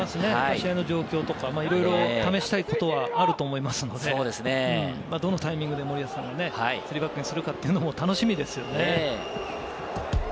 試合の状況とか、いろいろ試したいことはあると思いますので、どのタイミングで森保さんが３バックにするか楽しみですね。